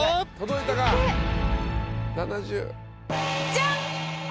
ジャン！